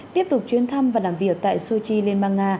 tiếp tục chuyến thăm và làm việc tại sochi liên bang nga